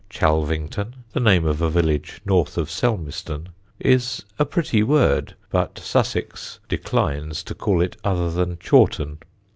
Chalvington (the name of a village north of Selmeston) is a pretty word, but Sussex declines to call it other than Chawton.